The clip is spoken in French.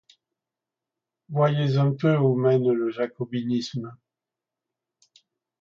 Voyez un peu où mène le jacobinisme.